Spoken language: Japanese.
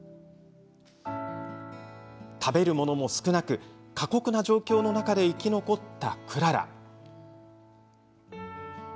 食べるものも少なく過酷な状況の中で生き残ったくらら。